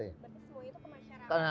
betul semua itu ke masyarakat